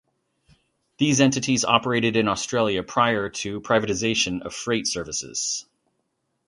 These entities operated in Australia prior to privatisation of freight services.